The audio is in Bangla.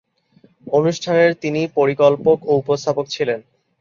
অনুষ্ঠানের তিনি পরিকল্পক ও উপস্থাপক ছিলেন।